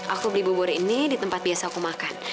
aku beli bubur ini di tempat biasa aku makan